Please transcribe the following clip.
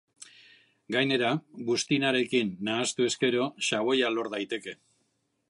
Gainera, buztinarekin nahastuz gero, xaboia lor daiteke.